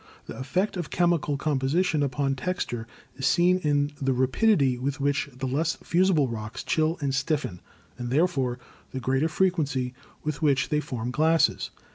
The effect of chemical composition upon texture is seen in the rapidity with which the less fusible rocks chill and stiffen, and therefore the greater frequency with which they form glasses.